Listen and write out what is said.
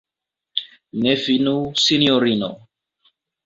Ne finu, sinjorino!